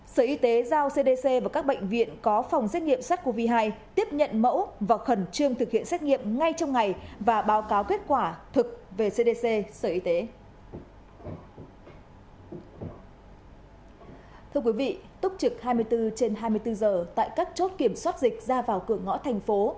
sở y tế giao cdc và các bệnh viện có phòng xét nghiệm sars cov hai tiếp nhận mẫu và khẩn trương thực hiện xét nghiệm ngay trong ngày và báo cáo kết quả thực về cdc sở y tế